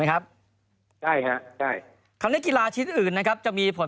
ครับใช่ฮะใช่คำนี้กีฬาชิ้นอื่นนะครับจะมีผล